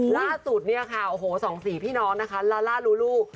ล่าสุดเนี่ยค่ะ๒๔พี่น้องนะคะลาล่ารูลู